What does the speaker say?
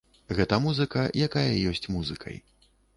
Гэта музыка, якая ёсць музыкай.